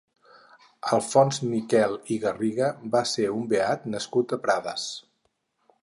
Alfons Miquel i Garriga va ser un beat nascut a Prades.